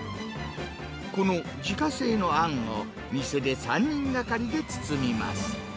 この自家製のあんを、店で３人がかりで包みます。